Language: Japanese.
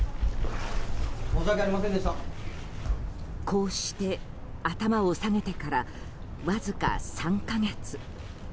こうして頭を下げてからわずか３か月。